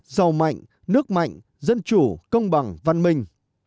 giàu mạnh nước mạnh dân chủ công bằng văn minh